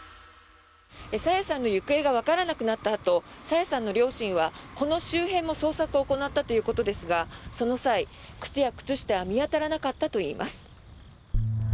朝芽さんの行方がわからなくなったあと朝芽さんの両親はこの周辺も捜索を行ったということですがその際、靴や靴下は見当たらなかったといいます。